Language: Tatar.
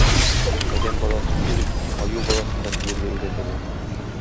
Адәм баласын түгел, аю баласын да биергә өйрәтәләр.